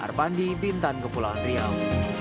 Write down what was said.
arpandi bintan kepulauan riau